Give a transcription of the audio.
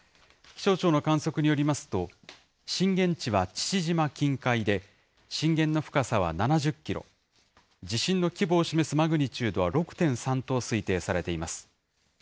気象庁の観測によりますと、震源地は父島近海で、震源の深さは７０キロ、地震の規模を示すマグニチュードは６．３と推定されています。